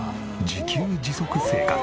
自給自足生活。